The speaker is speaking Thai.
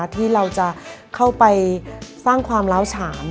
ที่เราจะเข้าไปสร้างความล้าวฉาน